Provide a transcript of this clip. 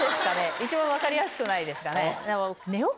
一番分かりやすくないですかね？